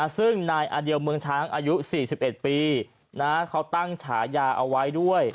ซึ่งนายอาเดียวเมืองช้างอายุ๔๑ปีเขาตั้งฉายาเอาไว้ด้วย